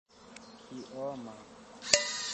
kioma